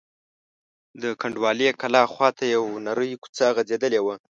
د کنډوالې کلا خواته یوه نرۍ کوڅه غځېدلې وه.